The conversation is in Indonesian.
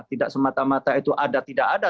tidak semata mata itu ada tidak ada